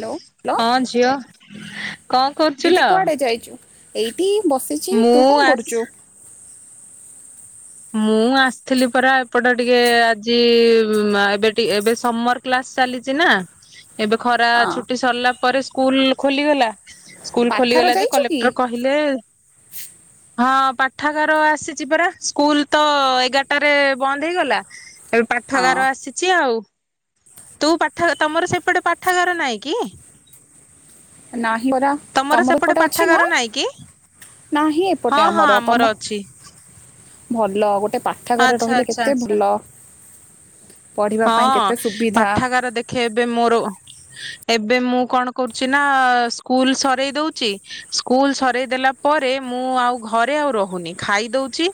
Hello hello ହଁ ଝିଅ କଣ କରୁଥିଲ? ଏଇଟ ଠୀ ବସିଛି ତୁ ମୁଁ କଣ ଆସ କରୁଛୁ? ମୁଁ ଆସିଥିଲି ପରା ଏପଟ ଟିକେ ଆଜି ଏବେ ଟିକେ ଏବେ ସମର କ୍ଲାସ ଚାଲିଛି ନା ଏବେ ଖରା ହଁ ଛୁଟି ସରିଲା ପରେ ସ୍କୁଲ ଖୋଲିଗଲା? ସ୍କୁଲ ପାଠାର ଖୋଲିଗଲା ଯେ ଯାଇଛୁ କି? କଲେକ୍ଟର କହିଲେ ହଁ ପାଠାଗାର ଆସିଛି ପରା ସ୍କୁଲ ତ ଏଗାରଟାରେ ବନ୍ଦ ହେଇଗଲା ଏବେ ହଁ ପାଠଗାର ଆସିଛି ଆଉ ତୁ ପାଠ ତମର ସେପଟେ ପାଠାଗାର ନହିଁ କି ନାହିଁ ପରା ତମର ସେପଟେ ଏପଟେ ଅଛି ନା ପାଠାଗାର ନାଇଁ କି ନାହିଁ ହଁ ଏପଟେ ହଁ ଆମର ତମ ଅଛି ଭଲ ଗୋଟେ ପାଠ ଘରେ ଆଚ୍ଛା ରହିଲେ ଆଚ୍ଛା କେତେ ଆଚ୍ଛା ଭଲ ପଢ଼ିବା ପାଇଁ ହଁ କେତେ ସୁବିଧା ପାଠାଗାର ଦେଖେ ଏବେ ମୋର। ଏବେ ମୁଁ କଣ କରୁଛି ନା ସ୍କୁଲ ସରୋଇ ଦଉଛି ସ୍କୁଲ ସରୋଇ ଦେଲା ପରେ ମୁଁ ଆଉ ଘରେ ଆଉ ରହୁନି ଖାଇଦଉଛି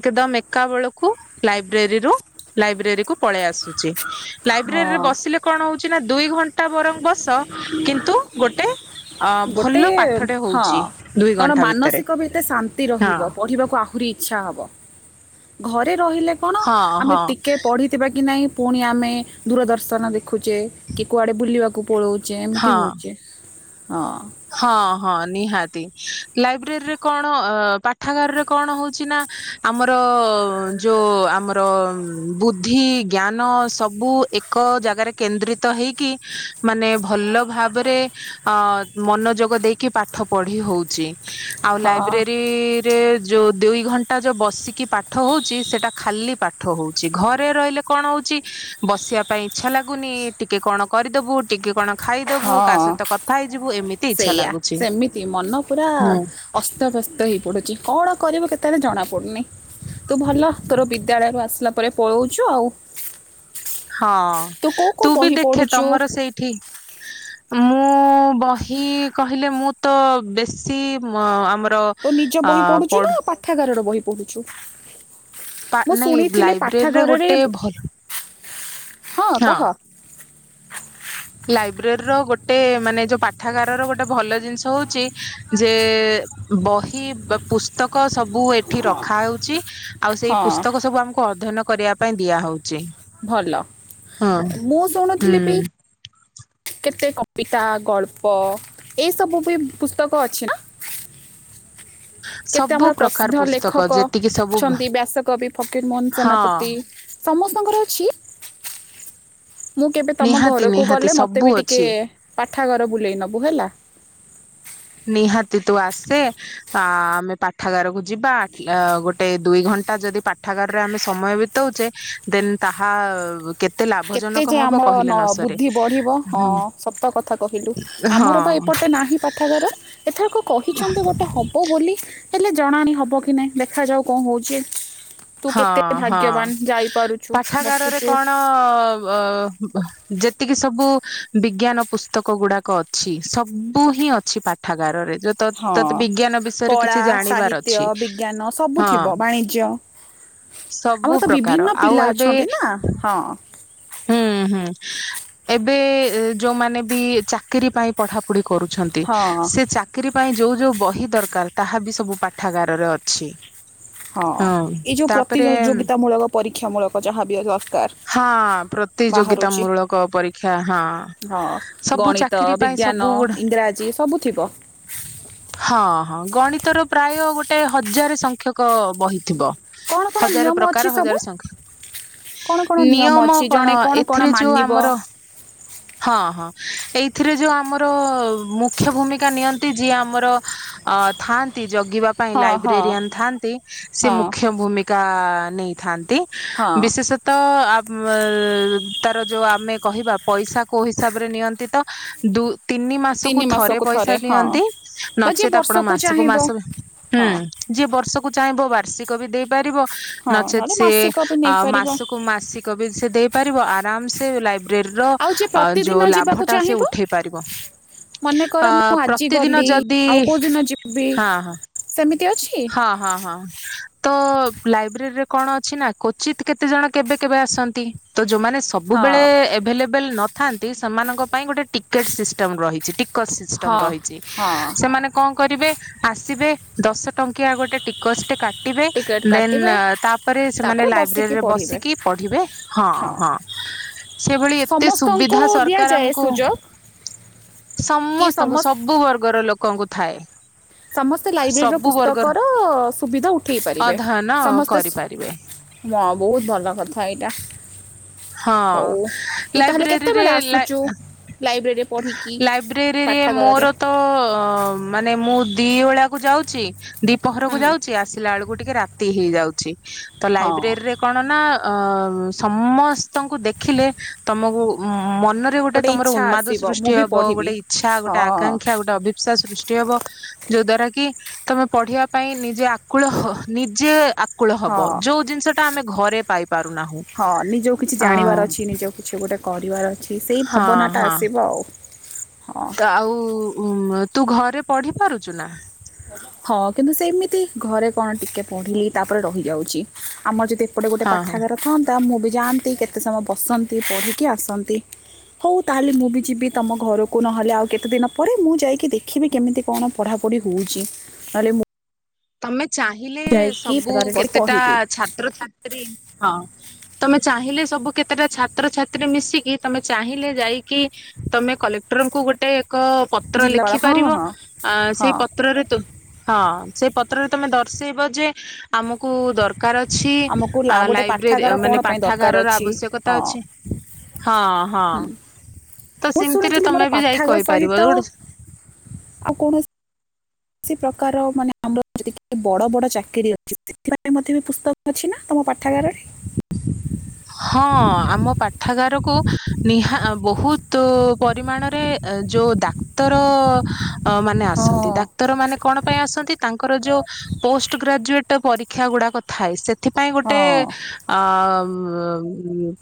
ଏକଦମ ଏକା ବେଳକୁ ଲାଇବ୍ରେରୀରୁ ଲାଇବ୍ରେରୀ କୁ ପଳେଇ ଆସୁ ହଁ ଲାଇବ୍ରେରୀରେ ବସିଲେ କଣ ହଉଛି ନା ଦୁଇ ଘଣ୍ଟା ବରଂ ବସ କିନ୍ତୁ ଗୋଟେ ଅ ଗୋଟେ ଭଲ ପାଠଟେ ହଁ ହଉଛି ଦୁଇ ତର ଘଣ୍ଟା ଭିତରେ ମାନସିକ ବି ଏତେ ଶାନ୍ତି ହଁ ରହିବ ପଢିବାକୁ ଆହୁରି ରଛ ହବ ଘ ଘରେ ରହିଲେ କଣ ହଁ ଆମେ ହଁ ଟିକେ ପଢିଥିବା କି ନାଇଁ ପୁଣି ଆମେ ଦୂରଦର୍ଶନ ଦେଖୁଛେ କି କୁଆଡ଼େ ବୁଲିବାକୁ ପଳୋଉଛ ଏମିତି ହଁ। ହେଉଛି। ହଁ। ହଁ ହଁ ନିହାତି ଲାଇବ୍ରେରୀରେ କଣ ପାଠାଗାରରେ କଣ ହଉଛି ନା ଆମର ଯୋଉ ଆମର ବୁଦ୍ଧି ଜ୍ଞାନ ସବୁ ଏକ ଜାଗାରେ କେନ୍ଦ୍ରିତ ହେଇକି ମାନେ ଭଲ ଭାବରେ ଅ ମନୋଯୋଗ ଦେଇକି ପାଠ ପଢି ହଉଛି। ଆଉ ହଁ ଲାଇବ୍ରେରୀରେ ଯୋଉ ଦୁଇ ଘଣ୍ଟା ଯୋଉ ବସିକି ପାଠ ହଉଛି ସେଟା ଖାଲି ପାଠ ହଉଛି। ଘରେ ରହିଲେ କଣ ହଉଛି ବସିବା ପାଇଁ ଇଛା ଲାଗୁନି ଟିକେ କଣ କରିଦେବୁ ଟିକେ କଣ ଖାଇଦବୁ କା ସହିତ କଥା ହେଇି ସେଇଆା ସେମିତି ମନ ପୁରା ହୁଁ। ଅସ୍ତବ୍ୟସ୍ତ ହେଇ ପଡୁଛି। କଣ କରିବୁ କେତେବେଳେ ଜଣା ପଡୁନି ତୁ ଭଲ ତୋର ବିଦ୍ୟାଳୟରୁ ଆସିଲା ପରେ ପଳଉଛୁ ଆଉ ହଁ କେଉଁ କେଉଁ ତୁ ବି ବହି ଦେଖେ ପଢ଼ୁଛୁ ତମର ସେଇଠି ମୁଁ ବହି କହିଲେ ମୁଁ ତ ବେଶୀ ଆମ ତୁ ନିଜ ବହି ପଢୁଛୁ ନା ପାଠାଗାରର ବହି ପଢ଼ୁଛୁ। ପା ମୁଁ ନାଇଁ ଶୁଣିଥିଲି ଲାଇବ୍ରେରୀରେ ପାଠାଗାରରେ ଗୋଟେ ଭଲ ହଁ କହ ହ [unintelligible] ଲାଇବ୍ରେରୀ ର ଗୋଟେ ମାନେ ଯୋଉ ପାଠାଗାରର ଗୋଟେ ଭଲ ଜିନିଷ ହଉଛି। ଯେ ବହି ପୁସ୍ତକ ସବୁ ଏଠି ରଖା ହଉଛି। ଆଉ ସେଇ ହଁ ପୁସ୍ତକ ସବୁ ଆମକୁ ଅଧ୍ୟୟନ କରିବା ପାଇଁ ଦିଆ ହଉଛି। ଭଲ ମୁଁ ଶୁଣୁଥିଲି ବି ହୁଁ କେତେ କବିତା ଗଳ୍ପ ଏଇ ସବୁ ବି ପୁସ୍ତକ ଅଛି ନା? କେତେ ସବୁ ଆମର ପ୍ରକାର ପ୍ରସିଦ୍ଧ ପୁସ୍ତକ ଲେଖକ ଯେତିକି ସବୁ ଅଛନ୍ତି ବ୍ୟାସକବି ଫକୀର ମୋହନ ହଁ ସେନାପତି ସମସ୍ତଙ୍କର ଅଛି? ମୁଁ କେବେ ତମ ନିହାତି ଘରକୁ ନିହାତି ଗଲେ ମତେ ସବୁ ବି ଟିକେ ଅଛି ପା କଠା ଘର ବୁଲେଇ ନବୁ ହେଲା। ନିହାତି ତୁ ଆସେ ଆମେ ପାଠାଗାରକୁ ଯିବା ଗୋଟେ ଦୁଇ ଘଣ୍ଟା ଯଦି ପାଠାଗାରରେ ଆମେ ସମୟ ବିତଉଛେ ଦେନ୍ ତାହା କେତେ କେତେ ଲାଭଜନକ ଯେ ହବ କହିଲେ ଆମର ନ ସରେ ବୁଦ୍ଧି ବଢିବ ହଁ ସତ କଥା କହିଲୁ ହଁ ଆମର ବା ଏପଟେ ନାହିଁ ପାଠାଗାର। ଏଥରକ କହିଛନ୍ତି ଗୋଟେ ହବ ବୋଲି। ହେଲେ ଜଣାଣି ହବ କି ନାଇଁ ଦେଖାାଯାଉ କଣ ହଉଛି। ହଁ ହଁ ପାଠାଗାରରେ ବସୁଛୁ କଣ? ଅ ଯେତିକି ସବୁ ବିଜ୍ଞାନ ପୁସ୍ତକ ଗୁଡାକ ଅଛି ସବୁ ହିଁ ଅଛି ପାଠାଗାରରେ। ଯୋଉ ତ ହଁ ତତେ ବିଜ୍ଞାନ ବିଷୟରେ କଳା କିଛି ଜାଣିବାର ସାହିତ୍ୟ ଅଛି ବିଜ୍ଞାନ ସବୁ ହଁ ଥିବ ବାଣିଜ୍ୟ ଆମର ସବୁ ତ ପ୍ରକାର ବିଭିନ୍ନ ଆଉ ପିଲା ଏବେ ଅଛନ୍ତି ନା ହଁ। ହୁଁ ହୁଁ ଏବେ ଯୋଉମାନେ ବି ଚାକିରି ପାଇଁ ପଢାପଢି କରୁଛନ୍ତି ହଁ ସେ ଚାକିରି ପାଇଁ ଯୋଉ ଯୋଉ ବହି ଦରକାର ତାହା ବି ସବୁ ପାଠାଗାରରେ ଅଛି। ହଁ ଏଇ ଯୋଉ ପ୍ରତିଯୋଗିତା ମୂଳକ ପରୀକ୍ଷା ମୂଳକ ଯାହାବ ଦରକାର। ବାହାରୁଛି ପ୍ରତିଯୋଗିତାମୂଳକ ପରୀକ୍ଷା ହଁ ହଁ ସବୁ ଗଣିତ ଚାକିର ପାଇଁ ବିଜ୍ଞାନ ସବୁ ଗୁଡ ଇଂରାଜୀ ସବୁ ଥିବ ହଁ ହଁ ଗଣିତର ପ୍ରାୟ ଗୋଟେ ହଜାର ସଂଖ୍ୟକ ବହିଥିବ। କ'ଣ କ'ଣ ହଜାର ନିୟମ ପ୍ରକାର ଅଛି ସବୁ ହଜାର ସଂଖ୍ୟା କ'ଣ କ'ଣ ନିୟମ। ଅଛି କଣ ଜଣେ କ'ଣ ଏଥିରେ ଯୋଉ ମାନିବ ଆମର ହଁ ହଁ ଏଇଥିରେ ଯୋଉ ଆମର ମୁଖ୍ୟ ଭୂମିକା ନିଅନ୍ତି ଯିଏ ଆମର ଅ ଥାଆନ୍ତି ଜଗିବା ପାଇଁ ହଁ ହଁ ଲାଇବ୍ରେରିଆନ୍ ଥାଆନ୍ତି ସେ ହଁ ମୁଖ୍ୟ ଭୂମିକା ନେଇଥାନ୍ତି। ହଁ ବିଶେଷତଃ ଉ ତାର ଯୋଉ ଆମେ କହିବା ପଇସା କୋଉ ହିସାବରେ ନିଅନ୍ତି ତ ଦୁ ତିନି ମାସକୁ ଥରେ ପଇସା ଦିଅନ୍ତି ବା ଯିଏ ନଚେତ ଆପଣ ବର୍ଷକୁ ମାସକୁ ଚାହିଁବ ମାସ ହୁଁ ହଁ ଯିଏ ବର୍ଷକୁ ଚାହିଁବ ବାର ବାର୍ଷିକ ବି ଦେଇପାରିବ। ହଁ ନଚେତ୍ ନହେଲେ ସିଏ ମାସିକ ବି ଅ ନେଇପାରିବ ମାସକୁ ମାସିକ ବି ସେ ଦେଇପାରିବ ଆରାମ ସେ ଲାଇବ୍ରେରୀର ଆଉ ଯିଏ ଅ ଯୋଉ ପ୍ରତିଦିନ ଯିବାକୁ ଲାଭ ଟା ସେ ଚାହିଁବ ଉଠେଇ ପାରିବ ଅ ମନେକର ମୁଁ ଆଜି ପ୍ରତିଦିନ ଗଲି ଯଦି ଆଉ କେଉଁ ଦିନ ଯିବି ହଁ ହଁ ସେମିତି କେତେ ଅଛି? ହଁ ହଁ ହଁ ତ ଲାଇବ୍ରେରୀରେ କଣ ଅଛି ନା କଚିତ କେତେ ଜଣ କେବେ କେବେ ଆସନ୍ତି ତ ଯୋଉମାନେ ହଁ ସବୁବେଳେଭଲେ ବେଲେ ନଥାନ୍ତି ସେମାନଙ୍କ ପାଇଁ ଗୋଟେ ଟିକେଟ ସିଷ୍ଟମ ରହିଛି। ସିଷ୍ଟମ ହଁ ରହିଛି ହଁ ସେମାନେ କଣ କରିବେ? ଆସିବେ ଦଶ ଟଙ୍କିଆ ଗୋଟେ ଟିକସ ଟୋ କଟିବେ ଟିକେଟ୍ କାଟିବେ ଦେନ ତାପରେ ସେମାନେ ତାପରେ ବସିକି ଲାଇବ୍ରେରୀରେ ପଢ଼ିବେ ବସିକି ପଢିବେ ହଁ ହଁ ସେଭଳି ଏତେ ସମସ୍ତଙ୍କୁ ସୁବିଧା ସରକାର ଦିଆଯାଏ ଆମକୁ ସୁଯୋଗ କି ସମସ୍ତଙ୍କୁ ସମସ୍ତ ସବୁ ବର୍ଗର ଲୋକ କଣଙ୍କୁ ଥାଏ। ସମସ୍ତେ ଲାଇବ୍ରେରୀ ସବୁ ବର୍ଗର ପୁସ୍ତକର ସୁବିଧା ଉଠେଇ ପାରିବେ ଅଧ୍ୟୟନ ସମସ୍ତେ କରିପାରିବେ। ହଁ ବହୁତ ଭଲ କଥା ଏଇଟା। ହଁ ହଉ ତୁ ତାହେଲେ ଲାଇବ୍ରେରୀରେ କେତେବେଳେ ଆସୁଛୁ ଲାଇବ୍ରେରୀରେ ପଢ଼ିକି ଲାଇବ୍ରେରୀରେ ପାଠାଗାରରେ ମୋର ତ ମାନ ମୁ ଦି ଓଳାକୁ ଯାଉଛି। ଦୀପହରକୁ ହୁଁ ଯାଉଛି ଆସିଲା ବଳକୁ ଟିକେ ରାତି ହେଇଯାଉଛି। ତ ହଁ ଲାଇବ୍ରେରୀ ରେ କଣ ନା ଅ ସମସ୍ତେ ସମଙ୍କୁ ଦେଖିଲେ ତମକୁ ମନରେ ଗୋଟେ ତମର ଇଚ୍ଛା ଉନ୍ମାଦ ଆସିବ ମୁଁ ସୃଷ୍ଟି ବି ହବ ପଢ଼ିବି ଗୋଟେ ଇଚ୍ଛା ହଁ ଗୋଟେ ଆକାଂକ୍ଷା ଗୋଟେ ଅଭି୍ସା ସୃଷ୍ ବ ଯୋଉ ଦ୍ଵାରା କି ତମେ ପଢିବା ପାଇଁ ନିଜେ ଆକୁଳ ନିଜେ କଳ ହବ ହଁ ଯୋଉ ଜିନିଷଟା ଆମେ ଘରେ ପାଇପ୍ ପାରୁନାହୁଁ। ହଁ ନିଜକୁ କିଛି ଜାଣିବାର ଅଛି ନିଜ କିଛି ଗୋଟେ ପରିବାର ଅଛି ସେଇ ହଁ ଭାବନାଟା ହଁ ଆସିବ ଆଉ। ହଁ ତ ଆଉ। ଉ ତୁ ଘରେ ପଢି ପାରୁଛୁ ନା? ହଁ କିନ୍ତୁ ସେମିତି ଘରେ କଣ ଟିକେ ପଢିଲି ତାପରେ ରହିଯାଉଛି ଆମର ଯଦି ଏପଟେ ଗୋଟେ ହଁ ହଁ। ପାଠାଗାର ଥାଆନ୍ତା ମୁଁ ବି ଯାଆନ୍ତି କେତେ ସମୟ ବସନ୍ତି ପଢ଼ିକି ଆସନ୍ତି ହଉ ତାହେଲେ ମୁଁ ବି ଯିବି ତମ ଘରକୁ ନହେଲେ ଆଉ କେତେ ଦିନ ପରେ ମୁଁ ଯାଇକି ଦେଖିବି କେମିତି କଣ ପଢ଼ାପଢ଼ି ହେଉଛି। ନହେଲେ ମୁ ତମେ ଚାହିଁଲେ ସବୁ ପାଠାଗାରରେ ବସି କେତେଟା ପଢ଼ିବି ଛାତ୍ରଛାତ୍ରୀ ହଁ। ତମେ ଚାହିଁଲେ ସବୁ କେତେଟା ଛାତ୍ରଛାତ୍ରୀ ମିଶିକି ତମେ ଚାହିଁଲେ ଯାଇକି ତମେ କଲେକ୍ଟରଙ୍କୁ ଗୋଟେ ଏକ ପତ୍ର ଜିଲ୍ଲାପାଳ ଲେଖି ହଁ ପାରିବ ହଁ ଆ ସେଇ ହଁ ପତ୍ରରେ ତୁ ହଁ ସେ ପତ୍ରରେ ତମେ ଦର୍ଶେଇବ ଯେ ଆମକୁ ଦର କାର୍ ଅଛି ଆମକୁ ଆ ଲା- ଗୋଟେ ଲାଇବ୍ରେରୀ ପାଠାଗାର କ'ଣ ମାନେ ପାଇଁ ଦରକାର ପାଠାଗାରର ଅଛି ଆବଶ୍ୟକତା ହଁ ଅଛି ହଁ ହଁ ତ ମୁଁ ସେମିତିରେ ଶୁଣିଥିଲି ମୋର ତମେ ବି ଯାଇ ପାଠାଗାର ସହିତ କହିପାରିବ ଯେ ଆଉ କୌଣସି ପ୍ରକାର ମାନେ ଆମର ବଡ଼ ବଡ଼ ଚାକିରି ଅଛି ସେଥିାଇଁ ମଧ୍ୟ ପୁସ୍ତକ ଅଛି ନା ତମ ପାଠାଗାରରେ। ହଁ ଆମ ପାଠାଗାରକୁ ନିହା ବହୁତ ପରିମାଣରେ ଯୋଉ ଡାକ୍ତର ଅ ମାନେ ଆସନ୍ତି ହଁ ଡାକ୍ତର ମାନେ କଣ ପାଇଁ ଆସନ୍ତି ତାଙ୍କର ଯୋଉ ପୋଷ୍ଟ ଗ୍ରାଜୁଏଟ ପରୀକ୍ଷା ଗୁଡାକ ଥାଏ ସେ ସେଥିପାଇଁ ଗୋଟେ ହଁ ଅ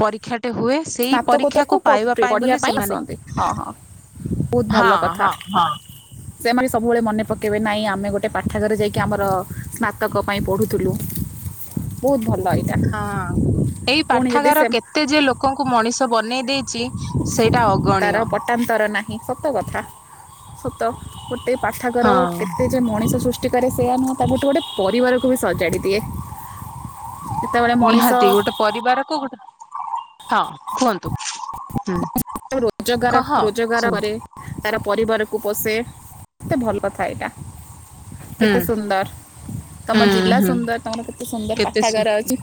ପରୀକ୍ଷା ହୁଏ ସେଇ ସ୍ନାତକୋତ୍ତରକୁ ପରୀକ୍ଷାକୁ ପାଇବା ପ- ପାଇଁ ପଢ଼ିବା ବୋଲି ସେମାନେ ଆସନ୍ତି ହଁ ହଁ ବହୁତ ହଁ ଭଲ କଥା ହଁ ହଁ। ସେମାନେ ସବୁବେଳେ ମନେ ପକ କେବେ ନାଇଁ ଆମେ ଗୋଟେ ପାଠାଗରେ ଯାଇକି କି ଆମର ସ୍ନାତକ ପାଇଁ ପଢ଼ୁଥିଲୁ ବହୁତ ଭଲ ଏଇଟା ହଁ ଏଇ ପୁଣି ଯଦି ପାଠାଗାର ସେ କେତେ ଯେ ଲୋକଙ୍କୁ ମଣିଷ ବନେଇ ଦେଇଛି। ସେଇଟା ଅଗଣୀୟ। ତାର ପଟାନ୍ତର ନାହିଁ। ସତ କଥା ସତ ଗୋଟେ ପାଠାଗର ହଁ କେତେ ଯେ ମଣିଷ ସୃଷ୍ଟି କରେ ସେ ଆମ ମୁଁ ତାଙ୍କଠୁ ଗୋଟେ ପରିବାରକୁ ବି ସଜାଡ଼ି ଦିଏ। ଯେତେବେଳେ ମଣିଷ ନିହାତି ଗୋଟେ ପରିବାର କୁ ଗୋଟେ ହଁ କୁହନ୍ତୁ। ହୁଁ। ରୋଜଗାର କହ ରୋଜଗାର ଶୁଣୁ କରେ ତାର ପରିବାର କୁ ପୋଷେ ମତେ ଭଲ କଥା ଏଇଟା। ହୁଁ କେତେ ସୁନ୍ଦର ତମ ହୁଁ ଜିଲ୍ଲା ହୁଁ ସୁନ୍ଦର ତମର କେତେ ସୁନ୍ଦର କେତେ ସୁ ପାଠାଗାର ଅଛି।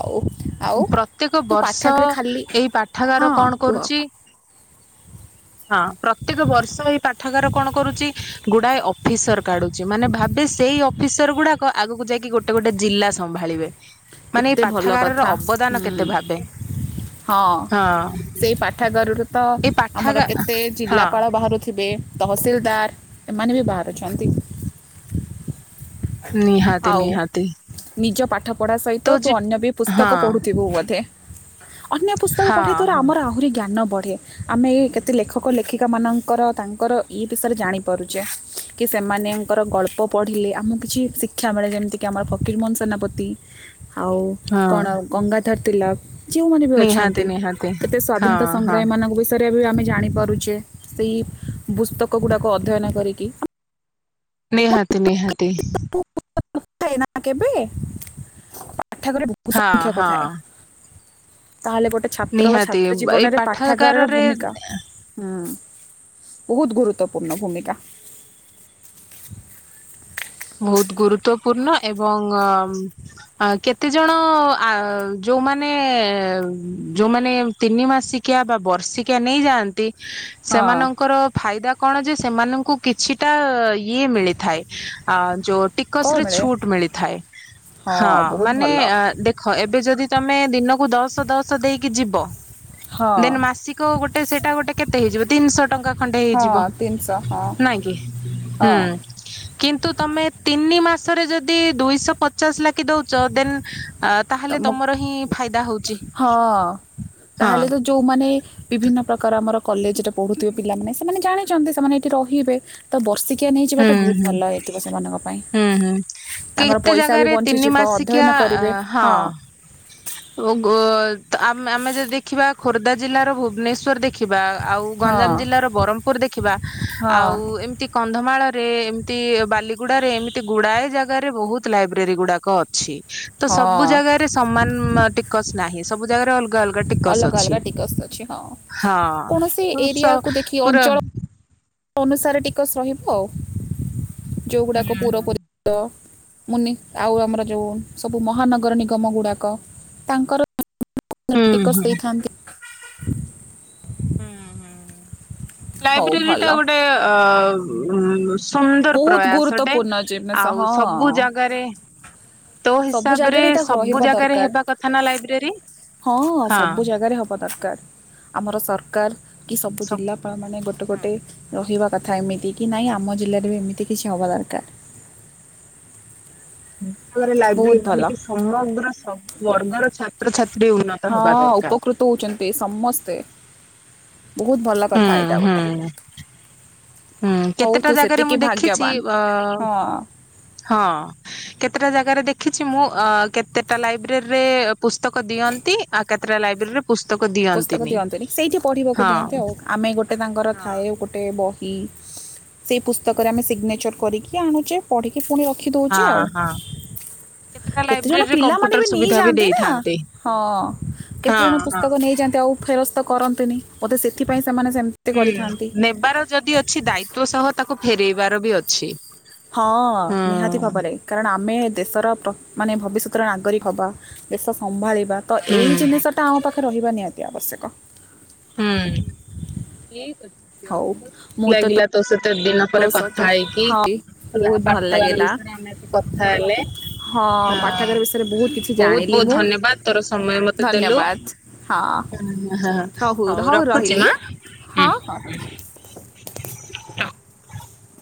ଆଉ ପ୍ରତ୍ୟେକ ତୁ ବର୍ଷ ପାଠାଗାରେ ଖାଲି ଏଇ ପାଠ ପାଠାଗାର ହଁ କଣ କୁହ କରୁଛି ହଁ। ପ୍ରତ୍ୟେକ ବର୍ଷ ଏଇ ପାଠାଗାର କଣ କରୁଛି ଗୁଡାଏ ଅଫିସର କାଢୁଛି ମାନେ ଭାବେ ସେଇ ଅଫିସର ଗୁଡାକ ଆଗକୁ ଯାଇକି ଗୋଟେ ଗୋଟେ ଜିଲ୍ଲା ସମ୍ଭାଳିବେ। ମାନେ ଏଇ ପାଠାଗାରର ଅ ହ ହଁ ହଁ ସେଇ ପାଠାଗାରରୁ ତ ଏଇ ଆମର ପାଠାଗା କେତେ ହଁ ଜିଲ୍ଲାପାଳ ବାହାରୁଥିବେ। ତହସିଲଦାର ଏମାନେ ବି ବାହାରୁଛନ୍ତି। ନିହାତି ଆଉ ନିହାତି ନିଜ ପାଠ ପଢ଼ା ତୋ ସହିତ ଜି ତୁ ଅନ୍ୟ ବି ହଁ ପୁସ୍ତକ ପଢ଼ୁଥିବୁ ବୋଧେ ଅନ୍ୟ ପୁସ୍ତକ ହଁ ପଢ଼ିବା ଦ୍ୱାରା ହଁ ଆମର ଆହୁରି ଜ୍ଞାନ ବଢ଼େ। ଆମେ କେତେ ଲେଖକ ଲେଖିକା ମାନଙ୍କର ତାଙ୍କର ଇ ବିଷୟରେ ଜାଣିପାରୁଛେ କି ସେମାନଙ୍କର ଗଳ୍ପ ପଢ଼ିଲେ ଆମକୁ କିଛି ଶିକ୍ଷା ମିଳେ ଯେମିତିକି ଆମର ଫକୀର ମୋହନ ସେନାପତି। ଆଉ ହଁ କଣ ଗଙ୍ଗା ଧରତି ଲାଭ। ଯେଉଁମାନେ ବି ନିହାତି ଅଛନ୍ତି ନିହାତି କେତେ ହଁ ସ୍ଵାଧୀନତା ହଁ ସଂଗ୍ରାମୀ ମାନଙ୍କ ବିଷୟରେ ରେ ବି ଆମେ ଜାଣିପାରୁଛେ ସେଇ ପୁସ୍ତକ ଗୁଡ଼ାକୁ ଅଧ୍ୟୟନ କରିକି ନିହାତି ନିହାତି କେବେ? ପାଠାଗାରରେ ବହୁ ହଁ ସଂଖ୍ୟକ ହଁ ଥାଏ। ତାହେଲେ ଗୋଟେ ଛାତ୍ର ବା ନିହାତି ଛାତ୍ରୀ ଏଇ ଜୀବନରେ ପାଠାଗାରର ପାଠାଗାରରେ ଭୂମିକା ହୁଁ। ବହୁତ ଗୁରୁତ୍ୱପୂର୍ଣ୍ଣ ଭୂମିକା ବହୁତ ଗୁରୁତ୍ୱପୂର୍ଣ୍ଣ ଏବଂ କେତେଜଣ ଯୋଉମାନେ ଯୋଉମାନେ ତିନି ମାସିକିଆ ବା ବର୍ଷିକିଆ ନେଇଯାଆନ୍ତି। ହଁ ସେମାନଙ୍କର ଫାଇଦା କଣ ଯେ ସେମାନଙ୍କୁ କିଛିଟା ଇଏ ମିଳିଥାଏ। ଆ ଯୋଉ କ'ଣ ଟିକସ ରେ ମିଳେ ଛୁଟ ମିଳିଥାଏ ହଁ ବହୁତ ମାନେ ଭଲ ଦେଖ ଏବେ ଯଦି ତମେ ଦିନକୁ ଦଶ ଦଶ ଦେଇକି ଯିବ। ହଁ ଦେନ୍ ମାସିକ ଗୋଟେ ସେଇଟା ଗୋଟେ କେତେ? ହେଇଯିବ ତିନିଶହ ଟଙ୍କା। ଖଣ୍ଡେ ହଁ ହେଇଯିବ ତିନିଶହ ହଁ ନାଇଁ କି ହଁ ହୁଁ କିନ୍ତୁ ମେ ତିନି ମାସରେ ଯଦି ଦୁଇଶହ ପଚାଶ ଲାଗି ଦଉଛ ଦେନ ତ ମୁ ହଁ ହଁ ତାହେଲେ ତ ଯୋଉମାନେ ବିଭିନ୍ନ ପ୍ରକାର ଆମର କଲେଜ ରେ ପଢୁଥିବେ ପିଲାମାନେ ସେମାନେ ଜାଣିଛନ୍ତି ସେମାନେ ଏଇଠି ରହିବେ ତ ବର୍ଷିକ ହୁଁ ହୁଁ ହୁଁ ହୁଁ ତାଙ୍କର କେତେ ପଇସା ବି ଜାଗାରେ ତିନି ବଞ୍ଚିଯିବ ଅଧ୍ୟୟନ ମାସିକିଆ କରିବେ ହଁ। ଏବଂ ଓ ଆମ ଆମେ ଯଦି ଦେଖିବା ଖୋର୍ଦ୍ଧା ଜିଲ୍ଲାର ଭୁବନେଶ୍ଵର ଦେଖିବା ଆଉ ହଁ ଗଞ୍ଜାମ ଜିଲ୍ଲାର ବରମପୁର ଦେଖିବା ହଁ ଆଉ ଏମତି କନ୍ଧମାଳ ରେ ଏମତି ବାଲିଗୁଡାରେ ଏମିତି ଗୁଡ଼ାଏ ଜାଗାରେ ବୋହୁତ ଲାଇବ୍ରେରୀଗୁଡାକ ଅଛି। ତ ହଁ ସବୁ ଜାଗାରେ ସମାନ ଇକସ୍ ନାହିଁ ସବୁ ଜାଗାରେ ଅଲ ଅଲଗା ଅଲଗା ଟିକସ ଅଛି ହଁ କୌଣସି ହଁ ସ ଏରିଆକୁ ଦେଖି ପୁରା ଅଞ୍ଚଳ ଅନୁସାରେ ଟିକସ ରହିବ ଆଉ‌‌। ଯୋଉଗୁଡ଼ାକ ପୁରା ପରିଚିତ ମୁନି ଆଉ ଆମର ଯୋଉ ସବୁ ମହାନଗର ନିଗମ ଗୁଡ଼ାକ ତାଙ୍କର ହୁଁ ଟିକସ୍ ହୁଁ। ଦେଇଥାନ୍ତି। [inaudible] ହୁଁ ହୁଁ। ହଉ ଭଲ ଲାଇବ୍ରେରୀଟା ଗୋଟେ ଅ ଉଁ ସୁନ୍ଦର ବହୁତ ପ୍ରୟାସଟେ ଗୁରୁତ୍ୱପୂର୍ଣ୍ଣ ଜିନିଷ ଆଉ ହଁ ସବୁ ଜାଗାରେ ତୋ ସବୁ ହିସାବରେ ଜାଗାରେ ଇଟା ହ ସବୁ ରହିବା ଜାଗାରେ ହେବା କଥା ନା ଲାଇବ୍ରେରୀ ଦରକାର ହଁ ସବୁ ଜାଗାରେ ହବା ଦରକାର ଆମର ସର କାର କି ସବୁ ଜିଲ୍ଲାପାଳମାନେ ଗୋଟେ ହୁଁ। ଗୋଟେ ରହିବା କଥା ଏମିତି କି ନାଇଁ ଆମ ଜିଲ୍ଲାରେ ବି ଏମିତି କିଛି ହବା ଦରକାର। ହୁଁ। ଆମର ବହୁତ ଲାଇବ୍ରେରୀ ଭଲ ରହିକି ସମଗ୍ର ସବୁ ଅ ଅଆଗର ଛାତ୍ରଛା ହଁ ଉପକୃତ ହୋଉଚନ୍ତି ସମସ୍ତେ। ବୋହୁତ ଭଲ କଥା ଏଇଟା ହୁଁ ହୁଁ। ଗୋଟେ। ହୁଁ ହଉ କେତେଟା ତୁ ଜାଗାରେ ମୁଁ ସେତିକି ଦେଖିଚି ଭାଗ୍ୟବାନ ଅ ହଁ ହଁ କେତେଟା ଜାଗାରେ ଦେଖିଚି ମୁଁ ଅ କେତେଟା ଲାଇବ୍ରେରୀରେ ପୁସ୍ତକ ଦିଅନ୍ତି ଆଉ କେତେଟା ଲାଇବ୍ରେରୀରେ ପୁସ୍ତକ ଦିଅନ୍ତିନି ସେଇଠି ପଢ଼ିବାକୁ ହଁ ଦିଅନ୍ତି ଆଉ ଆମେ ଗୋଟେ ତାଙ୍କର ହଁ ଥାଏ ଆଉ ଗୋଟେ ବ ଇ ସେଇ ପୁସ୍ତକରେ ଆମେ ସିଗ୍ନେଚର କରିକି ଆଣୁଚେ ପଢିକି ଫୁଣି ର ଖି ଦୋଉଚେ ହଁ ଆଉ ହଁ କେତେଟା କେତେ ଜଣ ଲାଇବ୍ରେରୀରେ ପିଲାମାନେ କମ୍ପ୍ୟୁଟର ବି ସୁବିଧା ନେଇଯାଆନ୍ତି ନାଁ ଦେଇଥାନ୍ତି ହଁ କେତେ ହଁ ଜଣ ପୁ ହଁ ନ୍ତି ଆଉ ଫେରସ୍ତ କରନ୍ତିନି ବୋଧେ ସେଥିପାଇଁ ସେମାନେ ସେମିତି ହୁଁ କରିଥାନ୍ତି ନେବାର ଯଦି ଅଛି ଦାୟିତଵ ସହ ତାକୁ ଫେରେଇବାର ବି ଅଛି। ହଁ ହଁ ନିହାତି ଭାବରେ କାରଣ ଆମେ ଦେଶର ମାନେ ଭବିଷ୍ୟତର ନାଗରିକ ହବା ଦେଶ ସମ୍ଭାଳି ତ ହୁଁ ଏଇ ଜିନିଷ ଟା ଆମ ପାଖରେ ରହିବା ନିହାତି ଅତି ଆବଶ୍ୟକ। ହୁଁ। ଝିଅ ହଉ ବହୁତ ମୁଁ ଖୁସି ତ ଲାଗିଲା ତୋ ସେ ତେ ଦିନ ତୋ ପରେ ସହିତ କଥା ହେଇକି ହଁ ହେ ବହୁତ ଭଲ ପାଠାଗାର ଲାଗିଲା ବିଷୟରେ ଆମେ ଏତେ କଥା ହେଲେ ହଁ ହ ପାଠାଗାର ବିଷୟରେ ବହୁତ କିଛି ବହୁତ ଜାଣିଲି ବହୁତ ମୁଁ ଧନ୍ୟବାଦ ତୋର ସମୟ ମତେ ଦେଲୁ ଧନ୍ୟବାଦ ହଁ ହଉ ହ ରହିଲି ହଁ ହଁ। ହଁ।